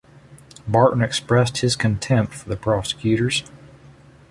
Barton expressed his contempt for the prosecutors.